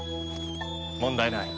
問題ない。